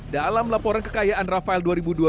dalam laporan kekayaan rafael dua ribu dua puluh